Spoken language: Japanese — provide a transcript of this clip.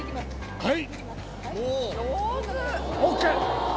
はい。